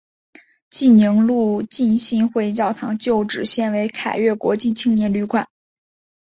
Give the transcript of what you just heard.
济宁路浸信会教堂旧址现为凯越国际青年旅馆。